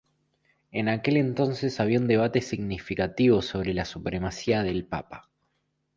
En aquel entonces había un debate significativo sobre la supremacía del Papa.